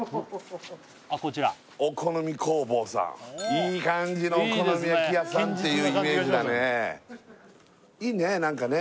いい感じのお好み焼き屋さんっていうイメージだねいいね何かね